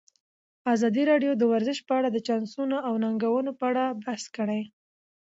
ازادي راډیو د ورزش په اړه د چانسونو او ننګونو په اړه بحث کړی.